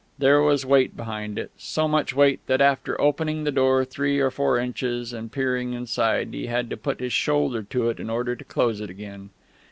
There was weight behind it, so much weight that, after opening the door three or four inches and peering inside, he had to put his shoulder to it in order to close it again.